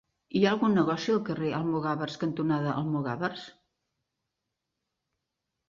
Hi ha algun negoci al carrer Almogàvers cantonada Almogàvers?